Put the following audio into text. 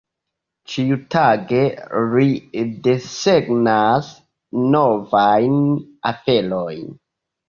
Ĉiutage, ri desegnas novajn aferojn.